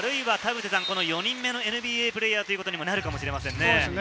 ４人目のＮＢＡプレーヤーになるかもしれませんね。